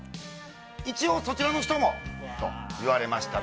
一応そちらの人もといわれました。